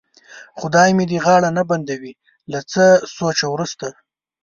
خدای مې دې غاړه نه بندوي، له څه سوچه وروسته.